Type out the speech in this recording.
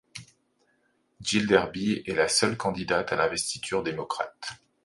Jill Derby est la seule candidate à l'investiture démocrate.